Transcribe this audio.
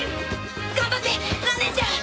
頑張って蘭ねえちゃん！